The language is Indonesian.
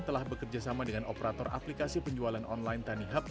telah bekerjasama dengan operator aplikasi penjualan online tanihub